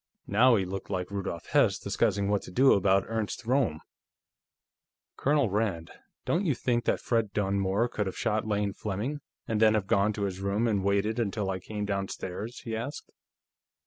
Now he looked like Rudolf Hess discussing what to do about Ernst Roehm. "Colonel Rand; don't you think that Fred Dunmore could have shot Lane Fleming, and then have gone to his room and waited until I came downstairs?" he asked.